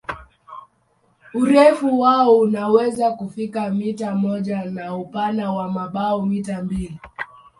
Urefu wao unaweza kufika mita moja na upana wa mabawa mita mbili.